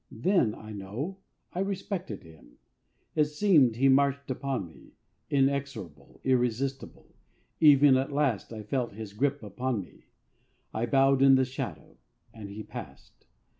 Then, I know, I respected him. It seemed he marched upon me, inexorable, irresistible; even at last I felt his grip upon me. I bowed in the shadow. And he passed.